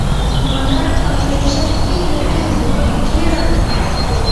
مگر او ھمیشہ کیں نہ کیں بھان گیرہ نو